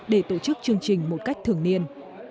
kết thường niên